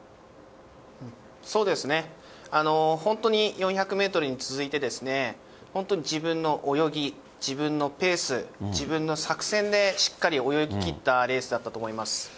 そうですね、本当に４００メートルに続いて、本当に自分の泳ぎ、自分のペース、自分の作戦でしっかり泳ぎきったレースだったと思います。